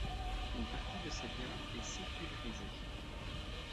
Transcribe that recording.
Une partie de ses biens est sécularisée.